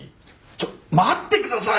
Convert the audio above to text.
ちょっ待ってください！